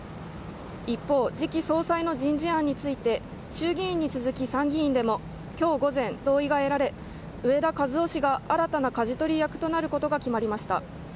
一方、次期総裁の人事案について衆議院に続き、参議院でも今日午前、同意が得られ植田和男氏が新たな舵取り役となることが決まりました。